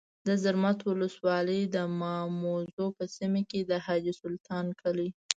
د زرمت ولسوالۍ د ماموزو په سیمه کي د حاجي سلطان کلی